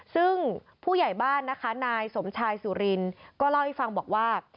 ซึ่งผู้ใหญ่บ้านนะคะนายสมชายสุรินก็เล่าให้ฟังบอกว่า